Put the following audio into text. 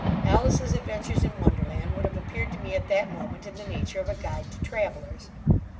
"Alice's Adventures in Wonderland" would have appeared to me, at that moment, in the nature of a guide to travellers.